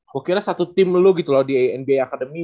gue kira satu tim lu gitu loh di nba akademi